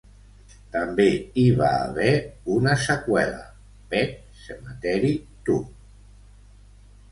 També hi va haver una seqüela, "Pet Sematary Two".